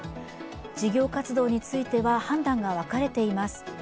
事業活動については、判断が分かれています。